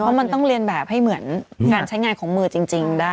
เพราะมันต้องเรียนแบบให้เหมือนการใช้งานของมือจริงได้